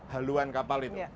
haluan kapal itu